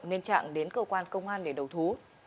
nên trạng đến cơ quan công an để đầu thú